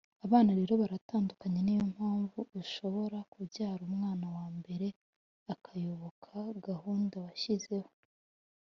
Abana rero baratandukanye niyo mpamvu ushobora kubyara umwana wa mbere akayoboka gahunda washyizeho